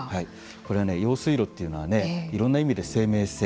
これは用水路というのはいろんな意味で生命線。